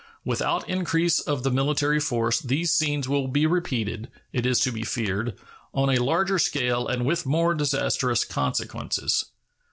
Without increase of the military force these scenes will be repeated, it is to be feared, on a larger scale and with more disastrous consequences.